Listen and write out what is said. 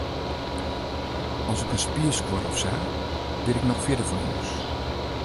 As ik in spier skuor of sa, bin ik noch fierder fan hûs.